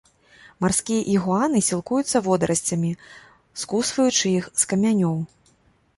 Марскія ігуаны сілкуюцца водарасцямі, скусваючы іх з камянёў.